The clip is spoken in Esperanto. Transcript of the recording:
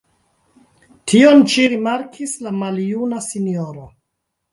Tion ĉi rimarkis la maljuna sinjoro.